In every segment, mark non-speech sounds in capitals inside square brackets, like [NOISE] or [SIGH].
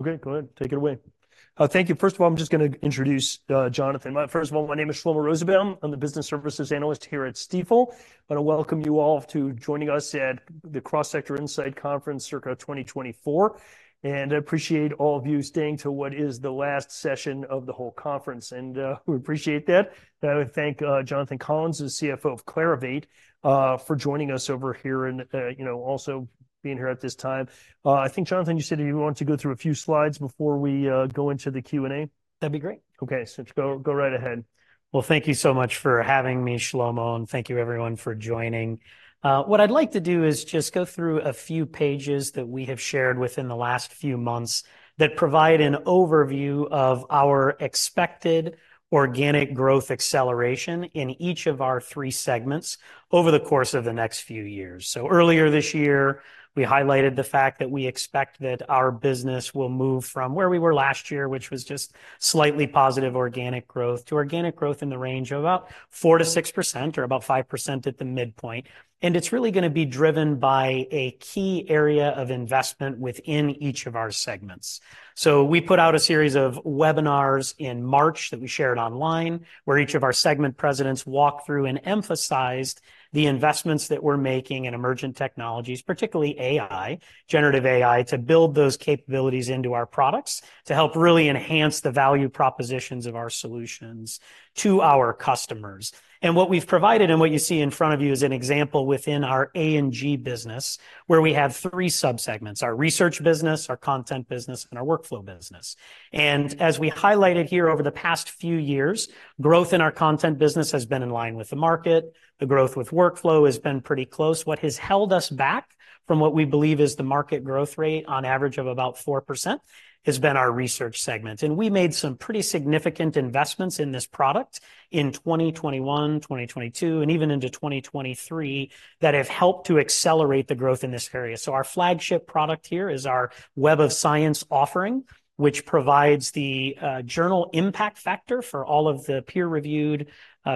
Okay, go ahead. Take it away. Thank you. First of all, I'm just gonna introduce Jonathan. First of all, my name is Shlomo Rosenbaum. I'm the Business Services Analyst here at Stifel. I want to welcome you all to joining us at the Cross-Sector Insight Conference, circa 2024, and I appreciate all of you staying till what is the last session of the whole conference, and we appreciate that. I thank Jonathan Collins, the CFO of Clarivate, for joining us over here and, you know, also being here at this time. I think, Jonathan, you said you want to go through a few slides before we go into the Q&A? That'd be great. Okay, so go, go right ahead. Well, thank you so much for having me, Shlomo, and thank you everyone for joining. What I'd like to do is just go through a few pages that we have shared within the last few months that provide an overview of our expected organic growth acceleration in each of our three segments over the course of the next few years. So earlier this year, we highlighted the fact that we expect that our business will move from where we were last year, which was just slightly positive organic growth, to organic growth in the range of about 4%-6%, or about 5% at the midpoint. And it's really gonna be driven by a key area of investment within each of our segments. So we put out a series of webinars in March that we shared online, where each of our segment presidents walked through and emphasized the investments that we're making in emergent technologies, particularly AI, generative AI, to build those capabilities into our products, to help really enhance the value propositions of our solutions to our customers. What we've provided, and what you see in front of you, is an example within our A&G business, where we have three subsegments: our research business, our content business, and our workflow business. As we highlighted here over the past few years, growth in our content business has been in line with the market. The growth with workflow has been pretty close. What has held us back from what we believe is the market growth rate on average of about 4%, has been our research segment. We made some pretty significant investments in this product in 2021, 2022, and even into 2023, that have helped to accelerate the growth in this area. So our flagship product here is our Web of Science offering, which provides the Journal Impact Factor for all of the peer-reviewed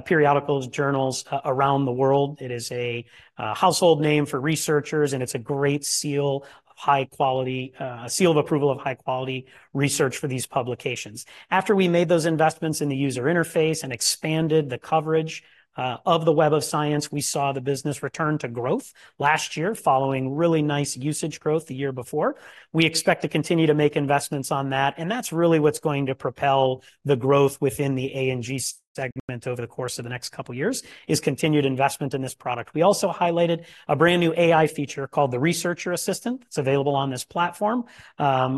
periodicals, journals around the world. It is a household name for researchers, and it's a great seal of high quality, seal of approval of high quality research for these publications. After we made those investments in the user interface and expanded the coverage of the Web of Science, we saw the business return to growth last year, following really nice usage growth the year before. We expect to continue to make investments on that, and that's really what's going to propel the growth within the A&G segment over the course of the next couple of years, is continued investment in this product. We also highlighted a brand-new AI feature called the Researcher Assistant. It's available on this platform,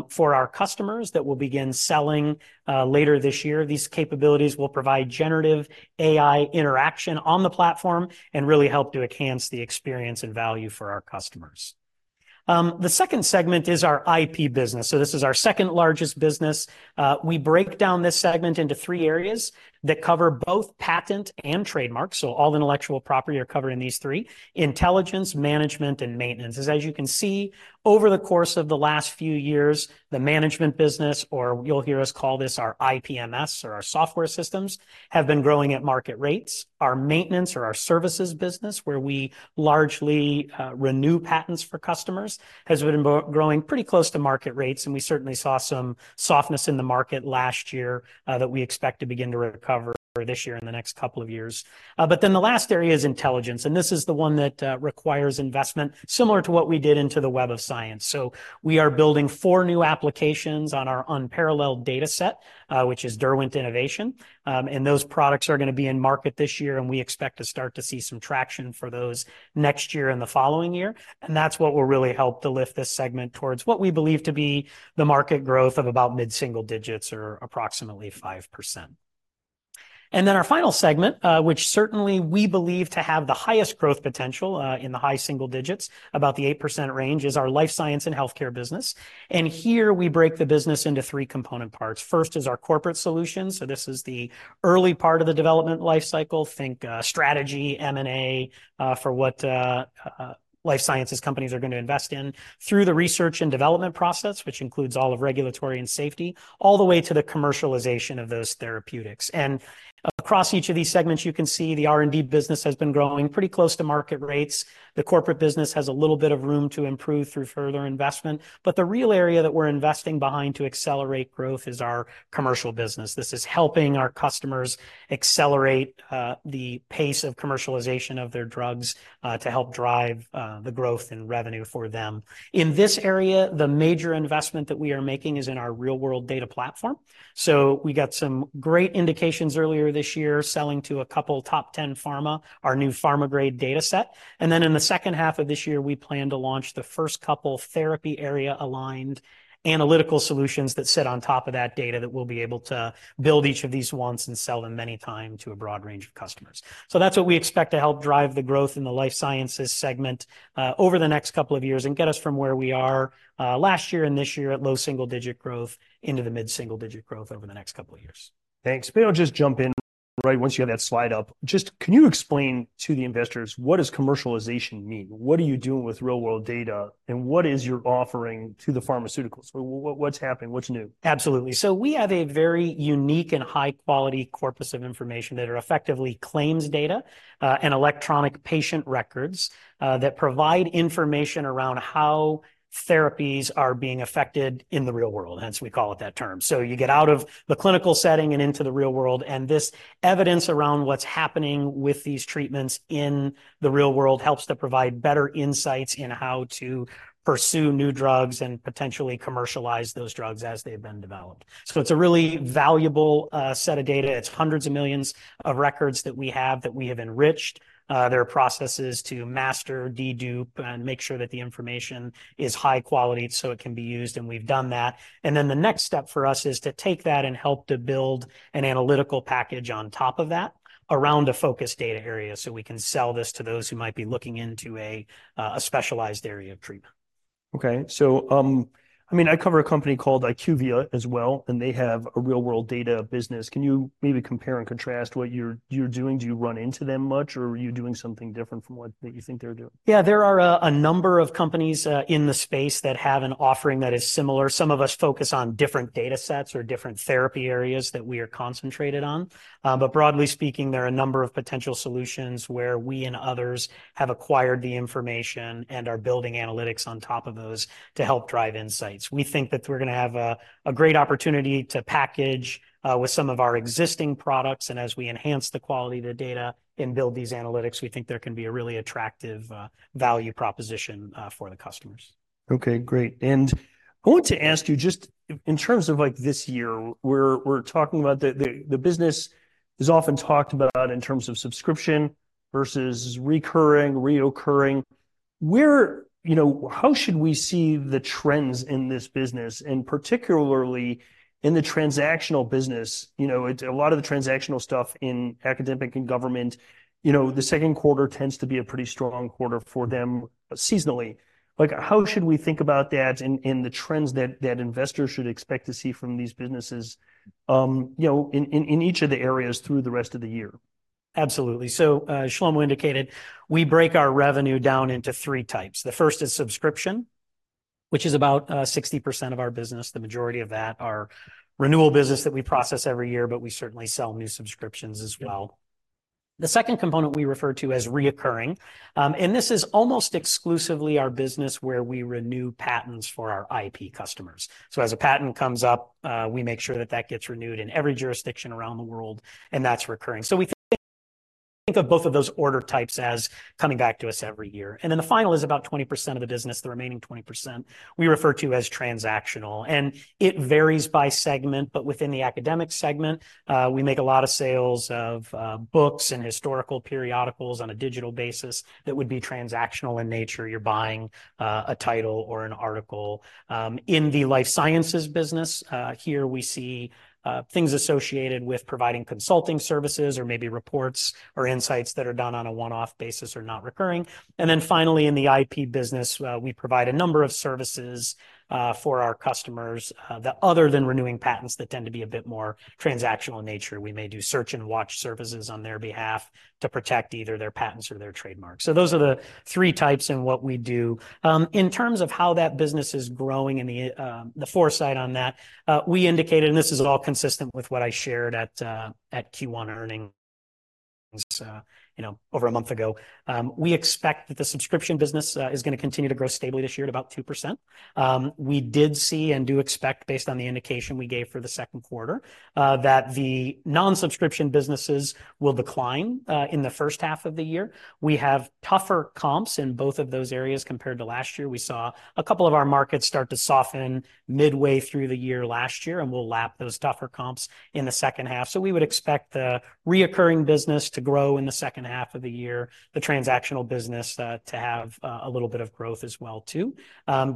for our customers that will begin selling, later this year. These capabilities will provide generative AI interaction on the platform and really help to enhance the experience and value for our customers. The second segment is our IP business, so this is our second-largest business. We break down this segment into three areas that cover both patent and trademarks, so all intellectual property are covered in these three: intelligence, management, and maintenance. As you can see, over the course of the last few years, the management business, or you'll hear us call this our IPMS or our software systems, have been growing at market rates. Our maintenance or our services business, where we largely renew patents for customers, has been growing pretty close to market rates, and we certainly saw some softness in the market last year that we expect to begin to recover this year in the next couple of years. But then the last area is intelligence, and this is the one that requires investment similar to what we did into the Web of Science. So we are building four new applications on our unparalleled data set, which is Derwent Innovation. And those products are gonna be in market this year, and we expect to start to see some traction for those next year and the following year. And that's what will really help to lift this segment towards what we believe to be the market growth of about mid-single digits or approximately 5%. And then our final segment, which certainly we believe to have the highest growth potential, in the high single digits, about the 8% range, is our life science and healthcare business. And here we break the business into three component parts. First is our corporate solutions. So this is the early part of the development life cycle. Think strategy, M&A, for what life sciences companies are going to invest in through the research and development process, which includes all of regulatory and safety, all the way to the commercialization of those therapeutics. And across each of these segments, you can see the R&D business has been growing pretty close to market rates. The corporate business has a little bit of room to improve through further investment. But the real area that we're investing behind to accelerate growth is our commercial business. This is helping our customers accelerate the pace of commercialization of their drugs to help drive the growth and revenue for them. In this area, the major investment that we are making is in our real-world data platform. So we got some great indications earlier this year, selling to a couple top ten pharma, our new pharma-grade data set. And then in the second half of this year, we plan to launch the first couple therapy area-aligned analytical solutions that sit on top of that data, that we'll be able to build each of these once and sell them many times to a broad range of customers. So that's what we expect to help drive the growth in the life sciences segment over the next couple of years and get us from where we are last year and this year at low single-digit growth into the mid-single-digit growth over the next couple of years. Thanks. Maybe I'll just jump in. Right, once you have that slide up, just can you explain to the investors, what does commercialization mean? What are you doing with real world data, and what is your offering to the pharmaceuticals? What's happening? What's new? Absolutely. So we have a very unique and high-quality corpus of information that are effectively claims data, and electronic patient records, that provide information around how therapies are being affected in the real world, hence we call it that term. So you get out of the clinical setting and into the real world, and this evidence around what's happening with these treatments in the real world helps to provide better insights in how to pursue new drugs and potentially commercialize those drugs as they've been developed. So it's a really valuable, set of data. It's hundreds of millions of records that we have, that we have enriched. There are processes to master, de-dupe, and make sure that the information is high quality, so it can be used, and we've done that. And then the next step for us is to take that and help to build an analytical package on top of that around a focused data area, so we can sell this to those who might be looking into a specialized area of treatment. Okay. So, I mean, I cover a company called IQVIA as well, and they have a real world data business. Can you maybe compare and contrast what you're doing? Do you run into them much, or are you doing something different from what that you think they're doing? Yeah, there are a number of companies in the space that have an offering that is similar. Some of us focus on different data sets or different therapy areas that we are concentrated on. But broadly speaking, there are a number of potential solutions where we and others have acquired the information and are building analytics on top of those to help drive insights. We think that we're gonna have a great opportunity to package with some of our existing products, and as we enhance the quality of the data and build these analytics, we think there can be a really attractive value proposition for the customers. Okay, great. And I want to ask you, just in terms of, like, this year, we're talking about the business is often talked about in terms of subscription versus recurring, reoccurring. You know, how should we see the trends in this business, and particularly in the transactional business? You know, it a lot of the transactional stuff in academic and government, you know, the second quarter tends to be a pretty strong quarter for them seasonally. Like, how should we think about that and the trends that investors should expect to see from these businesses, you know, in each of the areas through the rest of the year? Absolutely. So, Shlomo indicated we break our revenue down into three types. The first is subscription, which is about sixty percent of our business. The majority of that are renewal business that we process every year, but we certainly sell new subscriptions as well. The second component we refer to as reoccurring, and this is almost exclusively our business where we renew patents for our IP customers. So as a patent comes up, we make sure that that gets renewed in every jurisdiction around the world, and that's recurring. So we think of both of those order types as coming back to us every year. And then the final is about 20% of the business, the remaining 20% we refer to as transactional, and it varies by segment. But within the academic segment, we make a lot of sales of books and historical periodicals on a digital basis that would be transactional in nature. You're buying a title or an article. In the life sciences business, here we see things associated with providing consulting services or maybe reports or insights that are done on a one-off basis or not recurring. And then finally, in the IP business, we provide a number of services for our customers that other than renewing patents, that tend to be a bit more transactional in nature. We may do search and watch services on their behalf to protect either their patents or their trademarks. So those are the three types in what we do. In terms of how that business is growing and the, the foresight on that, we indicated, and this is all consistent with what I shared at, at Q1 earnings, you know, over a month ago, we expect that the subscription business is gonna continue to grow stably this year at about 2%. We did see and do expect, based on the indication we gave for the second quarter, that the non-subscription businesses will decline in the first half of the year. We have tougher comps in both of those areas compared to last year. We saw a couple of our markets start to soften midway through the year, last year, and we'll lap those tougher comps in the second half. So we would expect the recurring business to grow in the second half of the year, the transactional business to have a little bit of growth as well, too.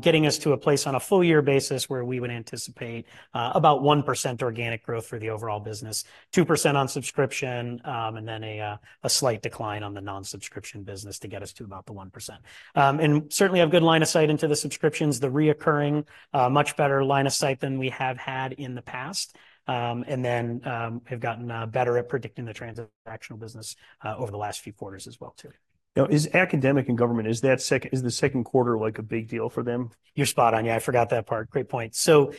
Getting us to a place on a full year basis where we would anticipate about 1% organic growth for the overall business, 2% on subscription, and then a slight decline on the non-subscription business to get us to about the 1%. And certainly have good line of sight into the subscriptions, the recurring, much better line of sight than we have had in the past, and then have gotten better at predicting the transactional business over the last few quarters as well, too. Now, is academic and government, is that the second quarter, like, a big deal for them? You're spot on. Yeah, I forgot that part. Great point. So,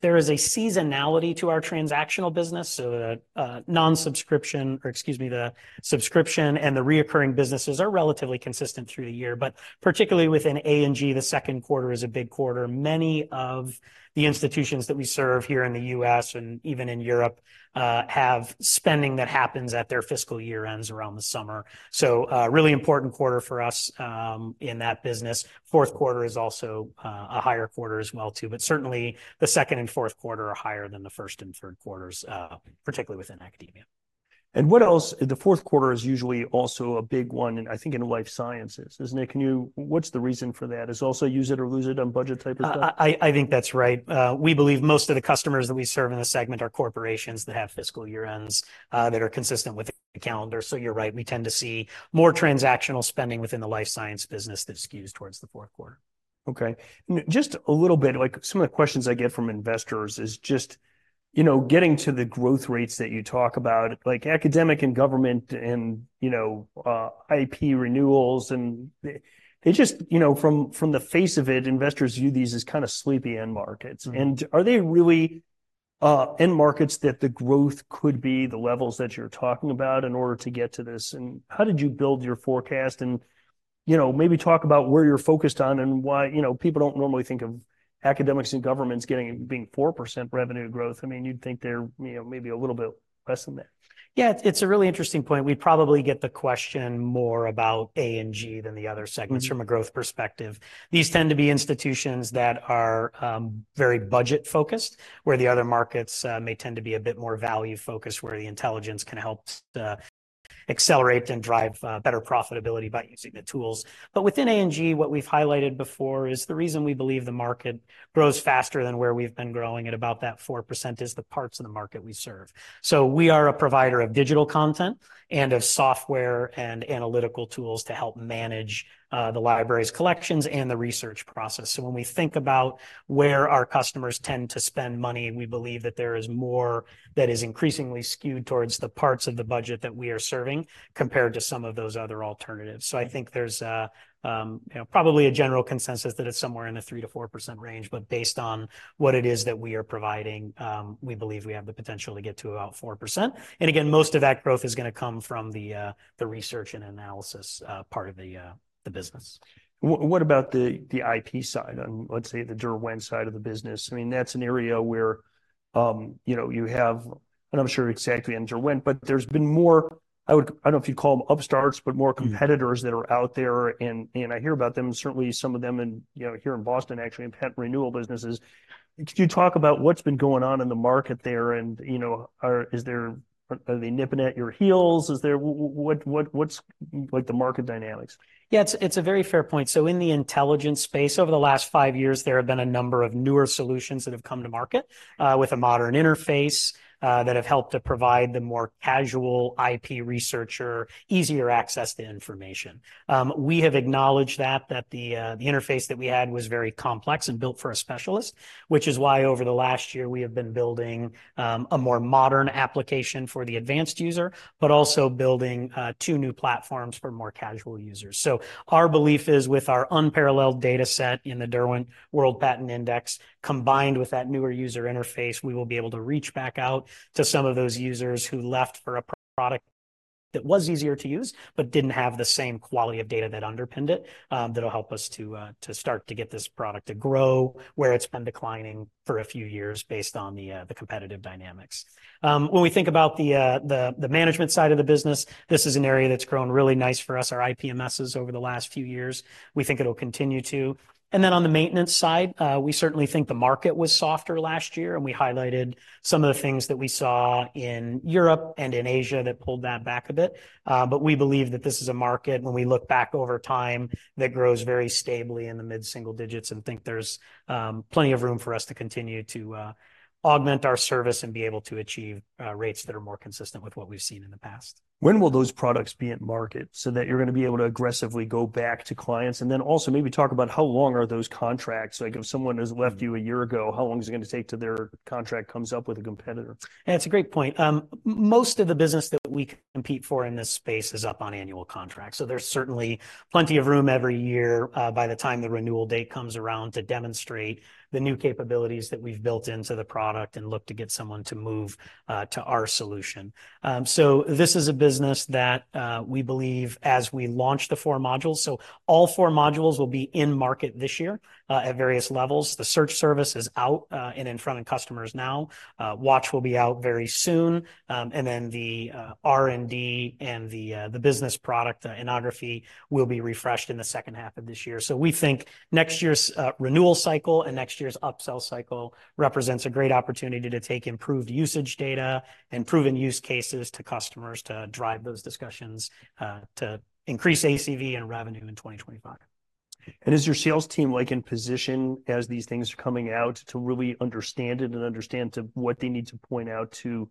there is a seasonality to our transactional business, so the non-subscription, or excuse me, the subscription and the reoccurring businesses are relatively consistent through the year. But particularly within A&G, the second quarter is a big quarter. Many of the institutions that we serve here in the U.S. and even in Europe have spending that happens at their fiscal year ends around the summer. So, a really important quarter for us in that business. Fourth quarter is also a higher quarter as well, too, but certainly, the second and fourth quarter are higher than the first and third quarters, particularly within academia. And what else? The fourth quarter is usually also a big one, and I think in life sciences, isn't it? Can you-- What's the reason for that? Is also use it or lose it on budget type of stuff? I think that's right. We believe most of the customers that we serve in this segment are corporations that have fiscal year ends that are consistent with the calendar. So you're right, we tend to see more transactional spending within the life science business that skews towards the fourth quarter. Okay. Just a little bit, like, some of the questions I get from investors is just, you know, getting to the growth rates that you talk about, like academic and government and, you know, IP renewals, and they, they just, you know, from, from the face of it, investors view these as kind of sleepy end markets. Mm-hmm. Are they really end markets that the growth could be the levels that you're talking about in order to get to this? How did you build your forecast? You know, maybe talk about where you're focused on and why. You know, people don't normally think of academics and governments getting, being 4% revenue growth. I mean, you'd think they're, you know, maybe a little bit less than that. Yeah, it's, it's a really interesting point. We probably get the question more about A&G than the other segments... Mm-hmm... from a growth perspective. These tend to be institutions that are very budget-focused, where the other markets may tend to be a bit more value-focused, where the intelligence can help accelerate and drive better profitability by using the tools. But within A&G, what we've highlighted before is the reason we believe the market grows faster than where we've been growing at about that 4% is the parts of the market we serve. So we are a provider of digital content and of software and analytical tools to help manage the library's collections and the research process. So when we think about where our customers tend to spend money, we believe that there is more that is increasingly skewed towards the parts of the budget that we are serving, compared to some of those other alternatives. Mm-hmm. So I think there's a you know, probably a general consensus that it's somewhere in the 3%-4% range, but based on what it is that we are providing, we believe we have the potential to get to about 4%. And again, most of that growth is gonna come from the research and analysis part of the business. What about the IP side and, let's say, the Derwent side of the business? I mean, that's an area where, you know, you have... And I'm sure you're exactly in Derwent, but there's been more. I would, I don't know if you'd call them upstarts, but more... Mm... competitors that are out there, and I hear about them, and certainly some of them in, you know, here in Boston, actually, in patent renewal businesses. Could you talk about what's been going on in the market there and, you know, are they nipping at your heels? Is there, what's, like, the market dynamics? Yeah, it's a very fair point. So in the intelligence space, over the last five years, there have been a number of newer solutions that have come to market with a modern interface that have helped to provide the more casual IP researcher easier access to information. We have acknowledged that the interface that we had was very complex and built for a specialist, which is why over the last year, we have been building a more modern application for the advanced user, but also building two new platforms for more casual users. So our belief is, with our unparalleled data set in the Derwent World Patents Index, combined with that newer user interface, we will be able to reach back out to some of those users who left for a product that was easier to use, but didn't have the same quality of data that underpinned it. That'll help us to start to get this product to grow, where it's been declining for a few years based on the competitive dynamics. When we think about the management side of the business, this is an area that's grown really nice for us, our IPMSs, over the last few years. We think it'll continue to. Then on the maintenance side, we certainly think the market was softer last year, and we highlighted some of the things that we saw in Europe and in Asia that pulled that back a bit. But we believe that this is a market, when we look back over time, that grows very stably in the mid-single digits and think there's plenty of room for us to continue to augment our service and be able to achieve rates that are more consistent with what we've seen in the past. When will those products be at market so that you're gonna be able to aggressively go back to clients? And then also maybe talk about how long are those contracts? Like, if someone has left you a year ago, how long is it gonna take till their contract comes up with a competitor? It's a great point. Most of the business that we compete for in this space is up on annual contracts, so there's certainly plenty of room every year, by the time the renewal date comes around, to demonstrate the new capabilities that we've built into the product and look to get someone to move, to our solution. So this is a business that, we believe, as we launch the four modules. So all four modules will be in market this year, at various levels. The search service is out, and in front of customers now. Watch will be out very soon. And then the, R&D and the, the business product, Innography, will be refreshed in the second half of this year. So we think next year's renewal cycle and next year's upsell cycle represents a great opportunity to take improved usage data and proven use cases to customers to drive those discussions to increase ACV and revenue in 2025. Is your sales team, like, in position, as these things are coming out, to really understand it and understand to what they need to point out to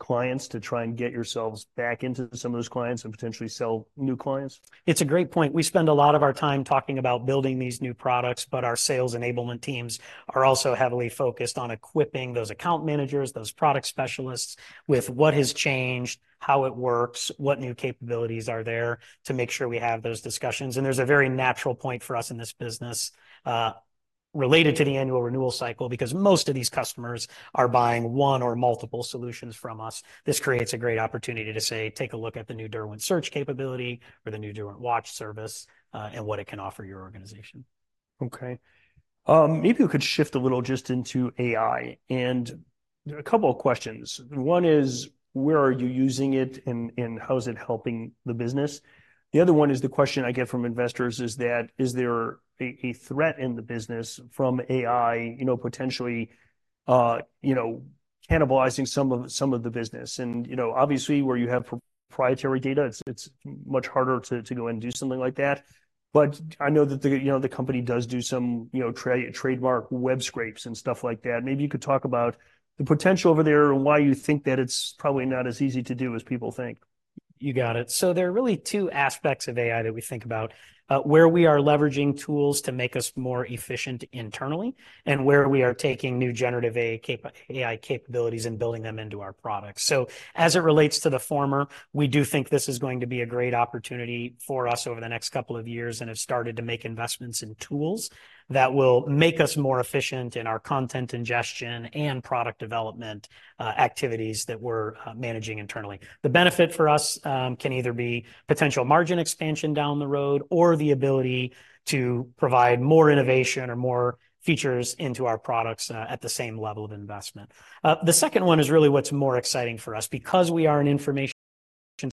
clients to try and get yourselves back into some of those clients and potentially sell new clients? It's a great point. We spend a lot of our time talking about building these new products, but our sales enablement teams are also heavily focused on equipping those account managers, those product specialists, with what has changed, how it works, what new capabilities are there, to make sure we have those discussions. And there's a very natural point for us in this business, related to the annual renewal cycle, because most of these customers are buying one or multiple solutions from us. This creates a great opportunity to say, "Take a look at the new Derwent Search capability or the new Derwent Watch service, and what it can offer your organization. Okay. Maybe you could shift a little just into AI. A couple of questions. One is, where are you using it, and how is it helping the business? The other one is the question I get from investors is that, is there a threat in the business from AI, you know, potentially, you know, cannibalizing some of the business? You know, obviously, where you have proprietary data, it's much harder to go and do something like that, but I know that you know, the company does do some, you know, trademark web scrapes and stuff like that. Maybe you could talk about the potential over there and why you think that it's probably not as easy to do as people think. You got it. So there are really two aspects of AI that we think about, where we are leveraging tools to make us more efficient internally and where we are taking new generative AI capabilities and building them into our products. So as it relates to the former, we do think this is going to be a great opportunity for us over the next couple of years, and have started to make investments in tools that will make us more efficient in our content ingestion and product development, activities that we're managing internally. The benefit for us can either be potential margin expansion down the road or the ability to provide more innovation or more features into our products at the same level of investment. The second one is really what's more exciting for us. Because we are an information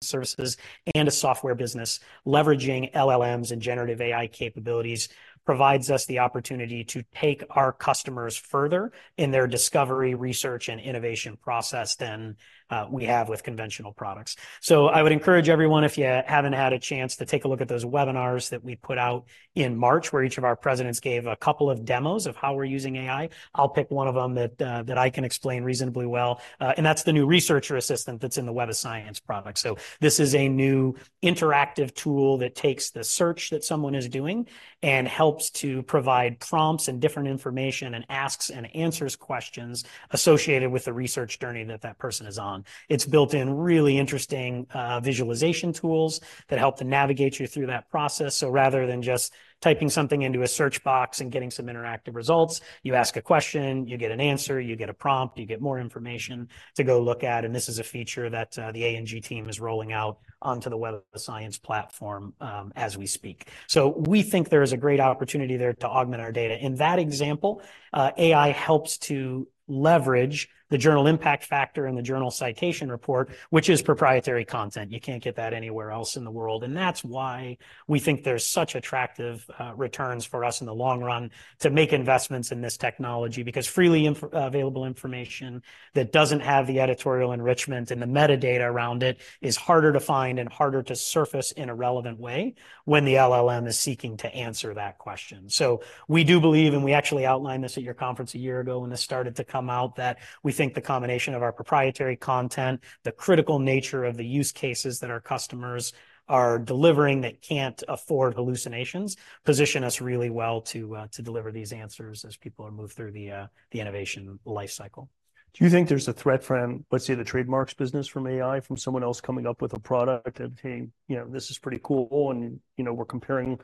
services and a software business, leveraging LLMs and generative AI capabilities provides us the opportunity to take our customers further in their discovery, research, and innovation process than we have with conventional products. So I would encourage everyone, if you haven't had a chance to take a look at those webinars that we put out in March, where each of our presidents gave a couple of demos of how we're using AI, I'll pick one of them that that I can explain reasonably well. And that's the new Researcher Assistant that's in the Web of Science product. So this is a new interactive tool that takes the search that someone is doing and helps to provide prompts and different information, and asks and answers questions associated with the research journey that that person is on. It's built in really interesting visualization tools that help to navigate you through that process. So rather than just typing something into a search box and getting some interactive results, you ask a question, you get an answer, you get a prompt, you get more information to go look at, and this is a feature that the A&G team is rolling out onto the Web of Science platform as we speak. So we think there is a great opportunity there to augment our data. In that example, AI helps to leverage the Journal Impact Factor and the Journal Citation Report, which is proprietary content. You can't get that anywhere else in the world, and that's why we think there's such attractive returns for us in the long run to make investments in this technology. Because freely available information that doesn't have the editorial enrichment and the metadata around it is harder to find and harder to surface in a relevant way when the LLM is seeking to answer that question. So we do believe, and we actually outlined this at your conference a year ago when this started to come out, that we think the combination of our proprietary content, the critical nature of the use cases that our customers are delivering that can't afford hallucinations, position us really well to deliver these answers as people are moved through the innovation life cycle. Do you think there's a threat from, let's say, the trademarks business from AI, from someone else coming up with a product and saying, "You know, this is pretty cool," and, you know, we're comparing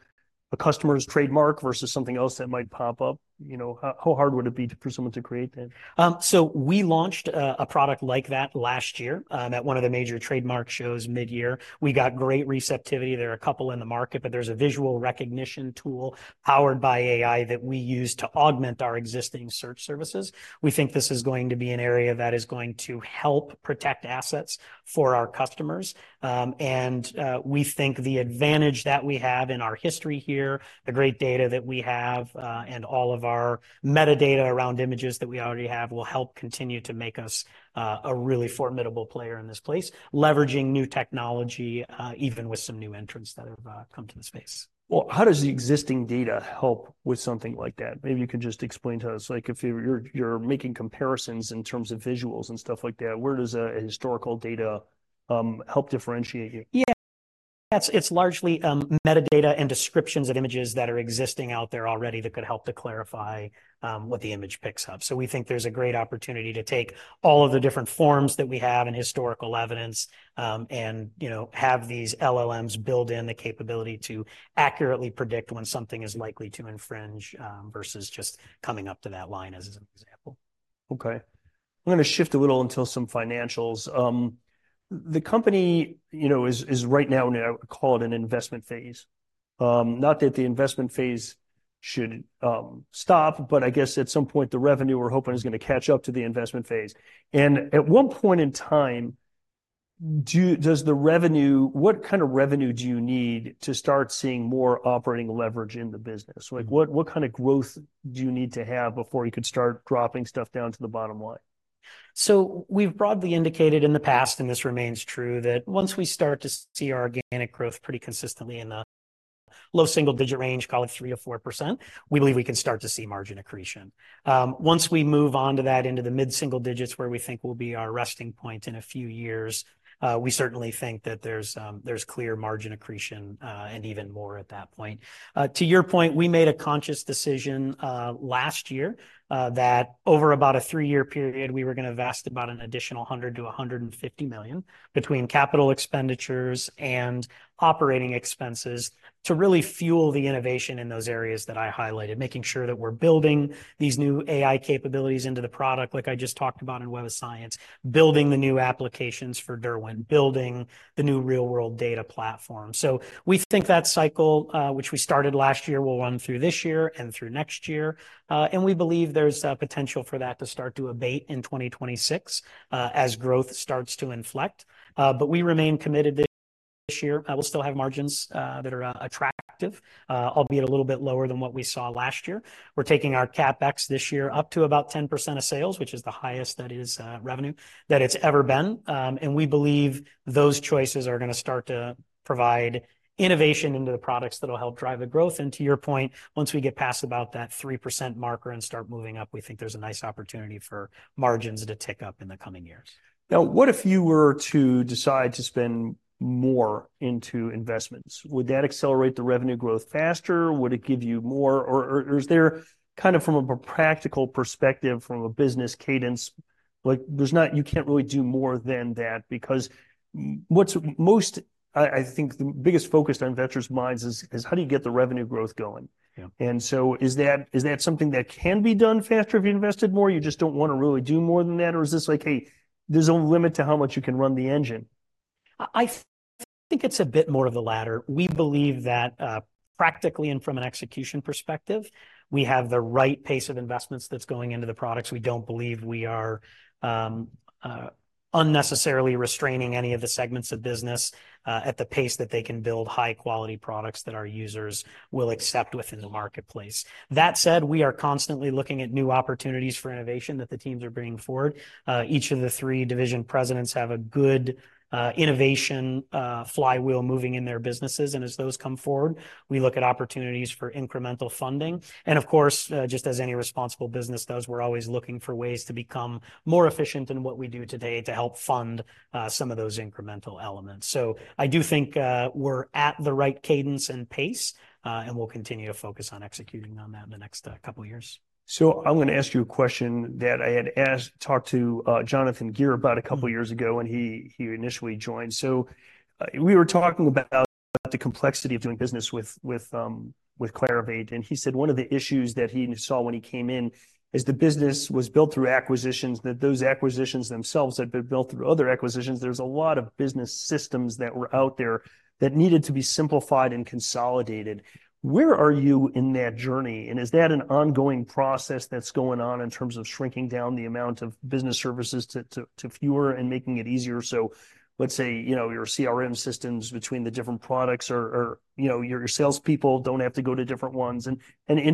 a customer's trademark versus something else that might pop up? You know, how hard would it be for someone to create that? So we launched a product like that last year at one of the major trademark shows midyear. We got great receptivity. There are a couple in the market, but there's a visual recognition tool powered by AI that we use to augment our existing search services. We think this is going to be an area that is going to help protect assets for our customers. And we think the advantage that we have in our history here, the great data that we have, and all of our metadata around images that we already have, will help continue to make us a really formidable player in this place, leveraging new technology, even with some new entrants that have come to the space. Well, how does the existing data help with something like that? Maybe you can just explain to us, like, if you're making comparisons in terms of visuals and stuff like that, where does historical data help differentiate you? Yeah. That's. It's largely, metadata and descriptions of images that are existing out there already that could help to clarify, what the image picks up. So we think there's a great opportunity to take all of the different forms that we have and historical evidence, and, you know, have these LLMs build in the capability to accurately predict when something is likely to infringe, versus just coming up to that line, as an example. Okay. I'm gonna shift a little into some financials. The company, you know, is right now in a, call it an investment phase. Not that the investment phase should stop, but I guess at some point, the revenue we're hoping is gonna catch up to the investment phase. And at what point in time does the revenue—what kind of revenue do you need to start seeing more operating leverage in the business? Like, what kind of growth do you need to have before you could start dropping stuff down to the bottom line? We've broadly indicated in the past, and this remains true, that once we start to see our organic growth pretty consistently in the low single-digit range, call it 3% or 4%, we believe we can start to see margin accretion. Once we move on to that, into the mid-single digits, where we think will be our resting point in a few years, we certainly think that there's clear margin accretion, and even more at that point. To your point, we made a conscious decision last year that over about a three-year period, we were gonna invest about an additional $100 million-$150 million between capital expenditures and operating expenses to really fuel the innovation in those areas that I highlighted, making sure that we're building these new AI capabilities into the product, like I just talked about in Web of Science, building the new applications for Derwent, building the new real-world data platform. So we think that cycle, which we started last year, will run through this year and through next year. And we believe there's potential for that to start to abate in 2026 as growth starts to inflect. But we remain committed this year. We'll still have margins that are attractive, albeit a little bit lower than what we saw last year. We're taking our CapEx this year up to about 10% of sales, which is the highest that is, revenue, that it's ever been. And we believe those choices are gonna start to provide innovation into the products that'll help drive the growth. And to your point, once we get past about that 3% marker and start moving up, we think there's a nice opportunity for margins to tick up in the coming years. Now, what if you were to decide to spend more into investments? Would that accelerate the revenue growth faster? Would it give you more, or, or, is there, kind of from a practical perspective, from a business cadence, like, there's not, you can't really do more than that, because what's most, I think the biggest focus on investors' minds is how do you get the revenue growth going? Yeah. Is that, is that something that can be done faster if you invested more? You just don't wanna really do more than that, or is this like, "Hey, there's a limit to how much you can run the engine? I think it's a bit more of the latter. We believe that, practically and from an execution perspective, we have the right pace of investments that's going into the products. We don't believe we are unnecessarily restraining any of the segments of business, at the pace that they can build high-quality products that our users will accept within the marketplace. That said, we are constantly looking at new opportunities for innovation that the teams are bringing forward. Each of the three division presidents have a good innovation flywheel moving in their businesses, and as those come forward, we look at opportunities for incremental funding. And of course, just as any responsible business does, we're always looking for ways to become more efficient in what we do today to help fund some of those incremental elements. So I do think, we're at the right cadence and pace, and we'll continue to focus on executing on that in the next couple of years. So I'm gonna ask you a question that I had talked to Jonathan Gear about a couple of years ago when he initially joined. So, we were talking about the complexity of doing business with Clarivate, and he said one of the issues that he saw when he came in is the business was built through acquisitions, that those acquisitions themselves had been built through other acquisitions. There's a lot of business systems that were out there that needed to be simplified and consolidated. Where are you in that journey? And is that an ongoing process that's going on in terms of shrinking down the amount of business services to fewer and making it easier? So let's say, you know, your CRM systems between the different products or, you know, your salespeople don't have to go to different ones and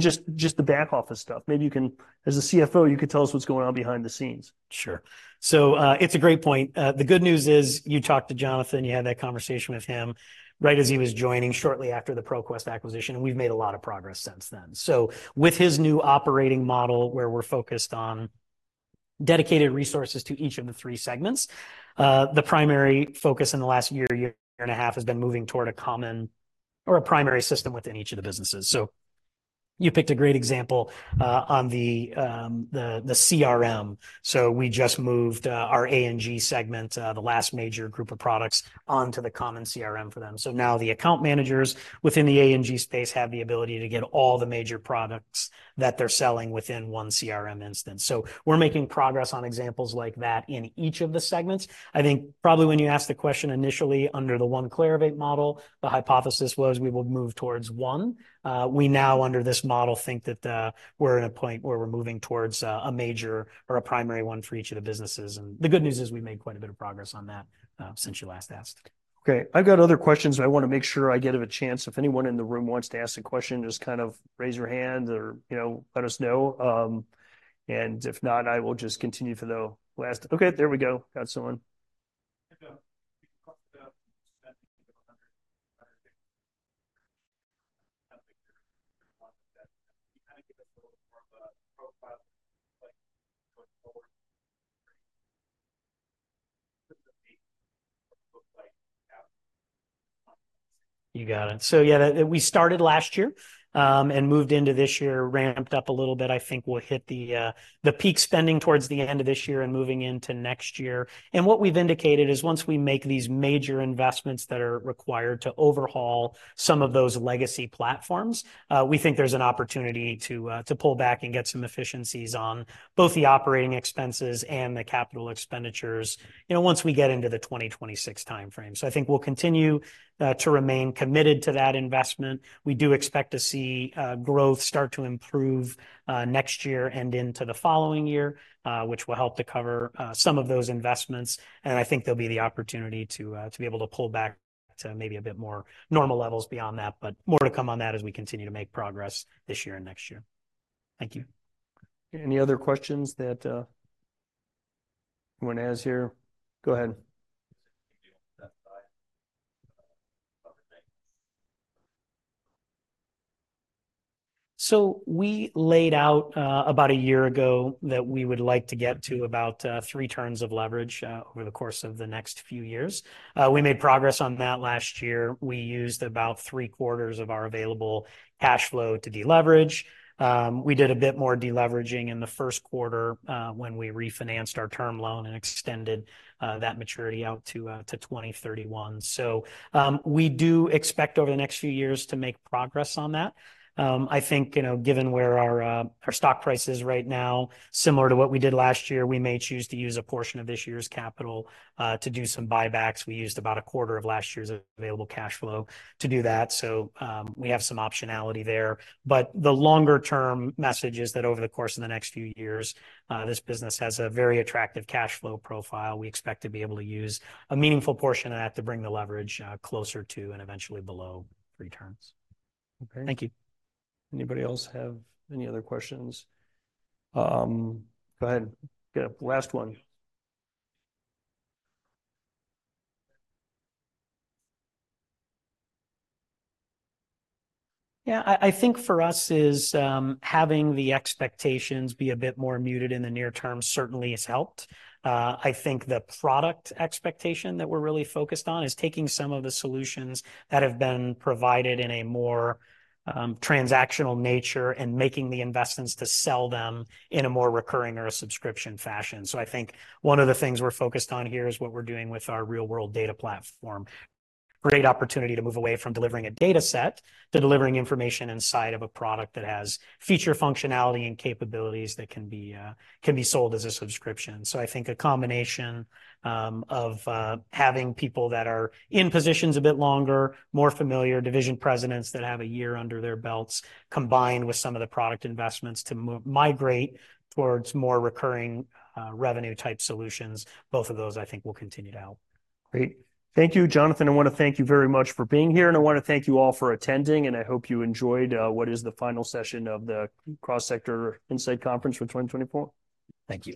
just the back office stuff. Maybe you can, as a CFO, you could tell us what's going on behind the scenes. Sure. So, it's a great point. The good news is, you talked to Jonathan, you had that conversation with him right as he was joining shortly after the ProQuest acquisition, and we've made a lot of progress since then. So with his new operating model, where we're focused on dedicated resources to each of the three segments, the primary focus in the last year and a half has been moving toward a common or a primary system within each of the businesses. So you picked a great example, on the CRM. So we just moved our A&G segment, the last major group of products, onto the common CRM for them. So now the account managers within the A&G space have the ability to get all the major products that they're selling within one CRM instance. So we're making progress on examples like that in each of the segments. I think probably when you asked the question initially under the one Clarivate model, the hypothesis was we would move towards one. We now, under this model, think that we're at a point where we're moving towards a major or a primary one for each of the businesses. And the good news is we've made quite a bit of progress on that since you last asked. Okay, I've got other questions, but I wanna make sure I get a chance. If anyone in the room wants to ask a question, just kind of raise your hand or, you know, let us know. If not, I will just continue for the last... Okay, there we go. Got someone. You talked about spending $100. [AUDIO DISTORTION] Can you kind of give us a little more of a profile, like, going forward? You got it. So yeah, we started last year, and moved into this year, ramped up a little bit. I think we'll hit the peak spending towards the end of this year and moving into next year. And what we've indicated is once we make these major investments that are required to overhaul some of those legacy platforms, we think there's an opportunity to pull back and get some efficiencies on both the operating expenses and the capital expenditures, you know, once we get into the 2026 timeframe. So I think we'll continue to remain committed to that investment. We do expect to see growth start to improve next year and into the following year, which will help to cover some of those investments. I think there'll be the opportunity to be able to pull back to maybe a bit more normal levels beyond that, but more to come on that as we continue to make progress this year and next year. Thank you. Any other questions that, anyone has here? Go ahead. [AUDIO DISTORTION] So we laid out about a year ago that we would like to get to about three turns of leverage over the course of the next few years. We made progress on that last year. We used about three quarters of our available cash flow to deleverage. We did a bit more deleveraging in the first quarter when we refinanced our term loan and extended that maturity out to 2031. So we do expect over the next few years to make progress on that. I think, you know, given where our stock price is right now, similar to what we did last year, we may choose to use a portion of this year's capital to do some buybacks. We used about a quarter of last year's available cash flow to do that, so, we have some optionality there. But the longer-term message is that over the course of the next few years, this business has a very attractive cash flow profile. We expect to be able to use a meaningful portion of that to bring the leverage closer to and eventually below three turns. Okay. Thank you. Anybody else have any other questions? Go ahead. Get the last one. Yeah, I think for us is having the expectations be a bit more muted in the near term certainly has helped. I think the product expectation that we're really focused on is taking some of the solutions that have been provided in a more, transactional nature and making the investments to sell them in a more recurring or a subscription fashion. So I think one of the things we're focused on here is what we're doing with our real-world data platform. Great opportunity to move away from delivering a data set to delivering information inside of a product that has feature functionality and capabilities that can be sold as a subscription. So I think a combination of having people that are in positions a bit longer, more familiar, division presidents that have a year under their belts, combined with some of the product investments to migrate towards more recurring revenue-type solutions, both of those, I think, will continue to help. Great. Thank you, Jonathan. I wanna thank you very much for being here, and I wanna thank you all for attending, and I hope you enjoyed what is the final session of the Cross-Sector Insight Conference for 2024. Thank you.